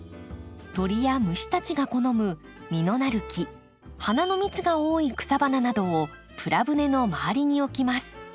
鳥や虫たちが好む実のなる木花の蜜が多い草花などをプラ舟の周りに置きます。